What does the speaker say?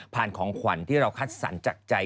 ของขวัญที่เราคัดสรรจากใจ